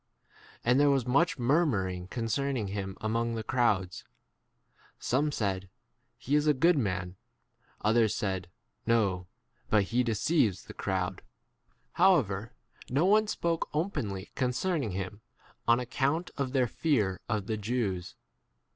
And there was much murmuring concerning him among the crowds. Some said, He is [a] good [man] ; others said, No ; but he deceives the J crowd. However no one spoke openly concerning him on account of [their] fear of the Jews.